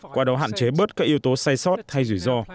qua đó hạn chế bớt các yếu tố sai sót hay rủi ro